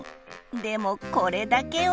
でもこれだけは。